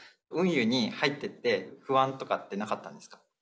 運輸に入ってって不安とかってなかったんですか？